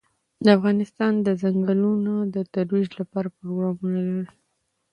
افغانستان د ځنګلونه د ترویج لپاره پروګرامونه لري.